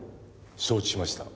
承知しました。